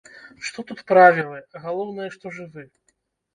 Што тут правілы, галоўнае, што жывы.